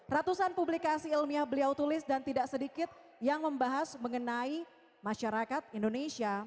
ratusan publikasi ilmiah beliau tulis dan tidak sedikit yang membahas mengenai masyarakat indonesia